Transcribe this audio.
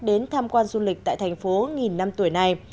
đến tham quan du lịch tại thành phố nghìn năm tuổi này